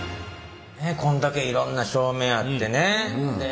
こんだけいろんな照明あってねで